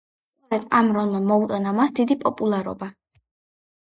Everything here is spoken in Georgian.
სწორედ ამ როლმა მოუტანა მას დიდი პოპულარობა.